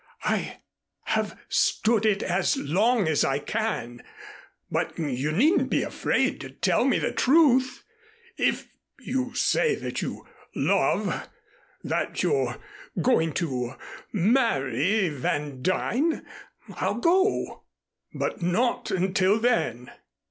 I have stood it as long as I can, but you needn't be afraid to tell me the truth. If you say that you love that you're going to marry Van Duyn, I'll go but not until then."